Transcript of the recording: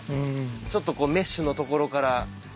ちょっとこうメッシュのところから風入ってきて。